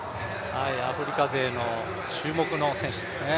アフリカ勢の注目の選手ですね。